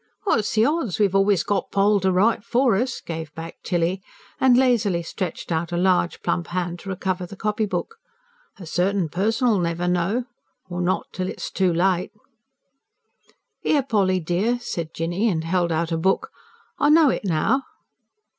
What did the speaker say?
"What's the odds! We've always got Poll to write for us," gave back Tilly, and lazily stretched out a large, plump hand to recover the copybook. "A certain person'll never know or not till it's too late." "Here, Polly dear," said Jinny, and held out a book. "I know it now."